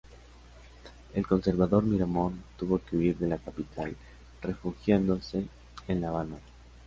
El conservador Miramón tuvo que huir de la capital, refugiándose en la Habana.